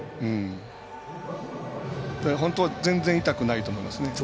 本当は全然痛くないと思いますね。